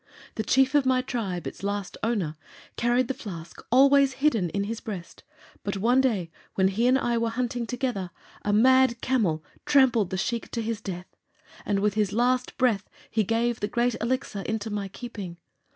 The Chief of my Tribe, its last owner, carried the flask always hidden in his breast. But one day, when he and I were hunting together, a mad camel trampled the Shiek to his death, and with his last breath he gave the Great Elixir into my keeping.